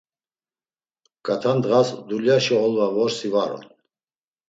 Ǩat̆a ndğas dulyaşe olva vorsi var on.